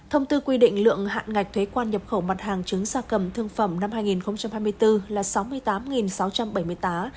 thông tư quy định lượng hạn ngạch thuế quan nhập khẩu mặt hàng trứng gia cầm thương phẩm năm hai nghìn hai mươi bốn là sáu mươi tám sáu trăm bảy mươi tám